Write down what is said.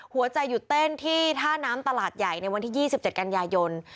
หัวใจหยุดเต้นที่ท่าน้ำตลาดใหญ่ในวันที่๒๗กันยายน